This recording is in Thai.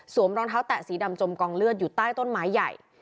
รองเท้าแตะสีดำจมกองเลือดอยู่ใต้ต้นไม้ใหญ่